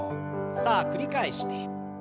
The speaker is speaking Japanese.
さあ繰り返して。